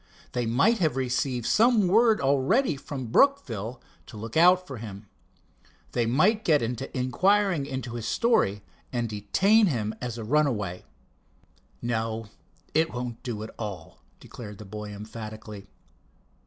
They might have received some word already from Brookville to look out for him. They might get to inquiring into his story and detain him as a runaway. "No, it won't do at all," declared the boy emphatically.